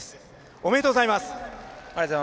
おめでとうございます。